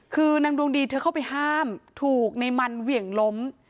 คือนางดวงดีเธอเข้าไปห้ามถูกในมันเหวี่ยงล้ม